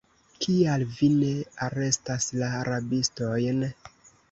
Kial vi ne arestas la rabistojn?